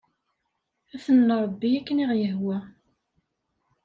Ad ten-nṛebbi akken i ɣ-yehwa.